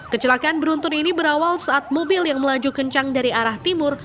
kecelakaan beruntun ini berawal saat mobil yang melaju kencang dari arah timur